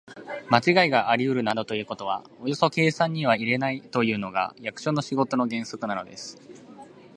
まちがいがありうるなどということはおよそ計算には入れないというのが、役所の仕事の原則なのです。